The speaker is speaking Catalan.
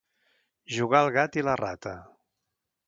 Jugar al gat i la rata.